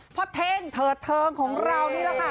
เท่งเถิดเทิงของเรานี่แหละค่ะ